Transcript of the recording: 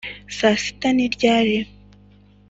saa sita ni ryari?